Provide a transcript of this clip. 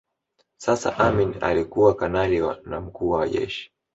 Sasa Amin alikuwa kanali na mkuu wa jeshi